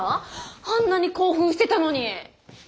あんなに興奮してたのに。